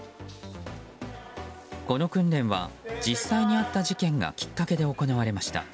この訓練は実際にあった事件がきっかけで行われました。